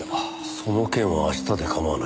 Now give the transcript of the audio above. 「その件は明日で構わない」。